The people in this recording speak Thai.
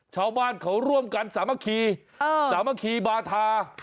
ชาวบ้านเขาร่วมกันสามัคคีสามัคคีบาธา